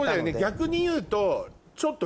逆に言うとちょっと。